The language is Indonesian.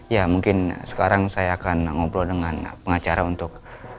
ya mungkin sekarang saya akan ngobrol dengan pengacara untuk